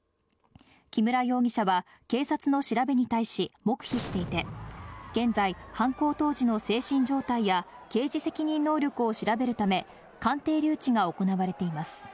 木村容疑者は警察の調べに対し黙秘していて、現在、犯行当時の精神状態や刑事責任能力を調べるため、鑑定留置が行われています。